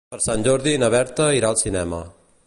Per Sant Jordi na Berta irà al cinema.